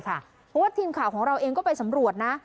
เพราะว่าทีมข่าวของเราเองก็ไปสำรวจนะ